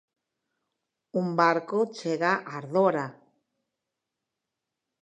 Un barco chega a Ardora.